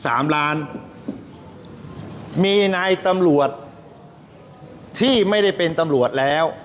สามล้านมีนายตำรวจที่ไม่ได้เป็นตำรวจแล้ว